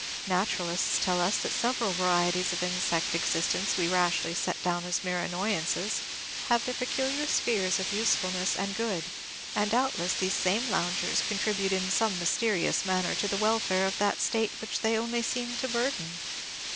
Naturalists tell us that several varieties of insect existence we rashly set down as mere annoyances, have their peculiar spheres of usefulness and good; and, doubtless, these same loungers contribute in some mysterious manner to the welfare of that state which they only seem to burden.